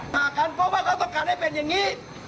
หากกันเพราะว่าเขาต้องการให้เป็นอย่างนี้